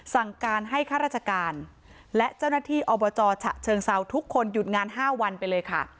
สั่งการให้ข้าราชการและเจ้าหน้าที่อบจฉะเชิงเซาทุกคนหยุดงาน๕วันไปเลยค่ะ